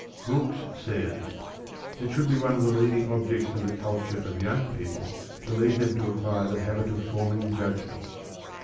Brooks says: "It should be one of the leading objects of the culture of young people to lead them to acquire the habit of forming judgments.